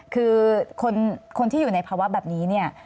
คือคนที่อยู่ในภาวะแบบนี้เนี่ย